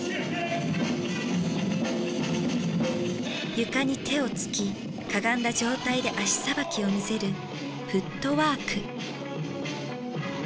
床に手をつきかがんだ状態で足さばきを見せる「フットワーク」。